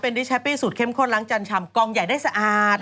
มีผลิตภัณฑ์คนล้างจั่นชำกองใหญ่ได้สะอาด